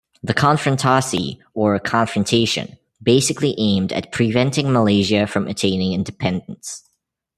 The Konfrontasi, or Confrontation basically aimed at preventing Malaysia from attaining independence.